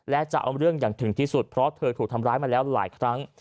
และจะเอาเรื่องอย่างถึงที่สุดเพราะเธอถูกทำร้ายมาแล้วหลายครั้ง